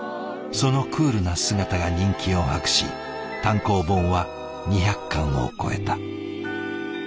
そのクールな姿が人気を博し単行本は２００巻を超えた。